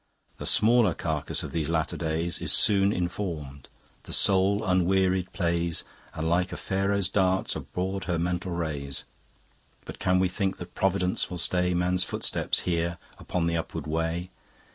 The smaller carcase of these later days Is soon inform'd; the Soul unwearied plays And like a Pharos darts abroad her mental rays. But can we think that Providence will stay Man's footsteps here upon the upward way?